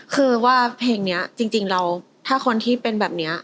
คือว่าเพลงนี้จริงเราถ้าคนที่เป็นแบบนี้